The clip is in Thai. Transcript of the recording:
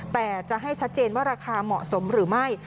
แต่จะให้ชัดเจนว่าราคาเหมาะสมหรือไม่